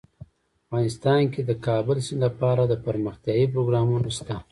افغانستان کې د د کابل سیند لپاره دپرمختیا پروګرامونه شته.